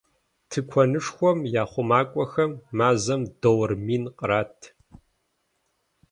Тыкуэнышхуэм я хъумакӏуэхэм мазэм доллар мин кърат.